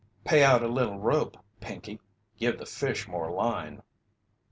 "Pay out a little rope, Pinkey. Give the fish more line."